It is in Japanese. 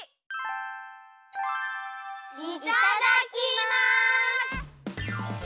いただきます！